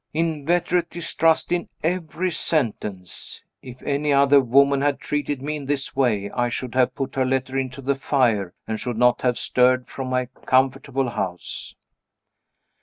Inveterate distrust in every sentence! If any other woman had treated me in this way, I should have put her letter into the fire, and should not have stirred from my comfortable house.